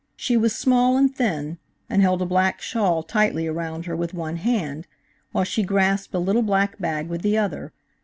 She was small and thin and held a black shawl tightly around her with one hand, while she grasped a little black bag with the other.